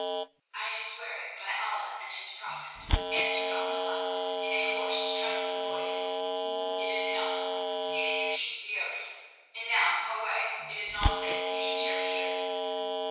"I swear it by Allah and his prophet," answered Abdullah in a hoarse, trembling voice. "It is enough; see that you keep the oath. And now away; it is not safe that you should tarry here."